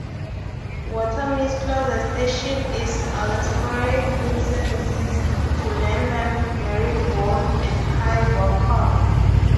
Watermead's closest station is Aylesbury with services to London Marylebone and High Wycombe.